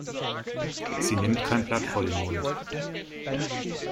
Sie nimmt kein Blatt vor den Mund.